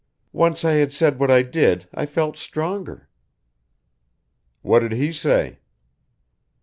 Once I had said what I did I felt stronger." "What did he say?"